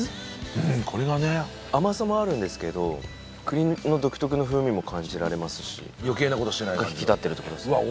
うんこれがね甘さもあるんですけど栗の独特の風味も感じられますし余計なことしない感じの引き立ってるってことですねうわ